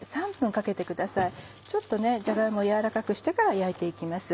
ちょっとじゃが芋軟らかくしてから焼いて行きます。